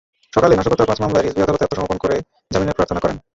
সকালে নাশকতার পাঁচ মামলায় রিজভী আদালতে আত্মসমর্পণ করে জামিনের প্রার্থনা করেন।